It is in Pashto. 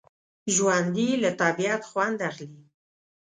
ژوندي له طبعیت خوند اخلي